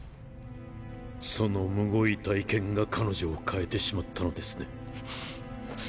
そのむごい体験が彼女を変えてしまったのですね。